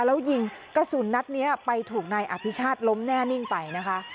แล้วยิงกระสุนนัดนี้ไปถูกนายอภิชาติล้มแน่นิ่งไปนะคะ